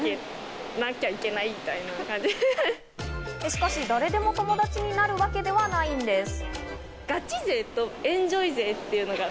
しかし誰でも友達になるわけではないんです。